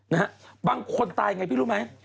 นะฮะบางคนตายไงพี่รู้ไหม